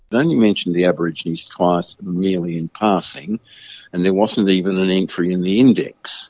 dan tidak ada penyebutan di indeks